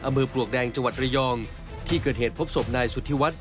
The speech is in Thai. ปลวกแดงจังหวัดระยองที่เกิดเหตุพบศพนายสุธิวัฒน์